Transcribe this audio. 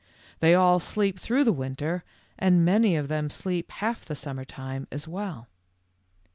They all sleep through the winter and many of them sleep half the summer time as well.